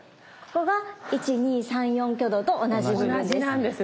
ここが１２３４挙動と同じ部分です。